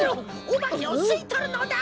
おばけをすいとるのだ！